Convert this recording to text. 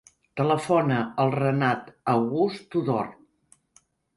Telefona al Renat August Tudor.